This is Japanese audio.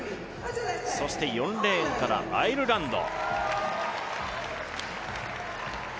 そして４レーンからアイルランド。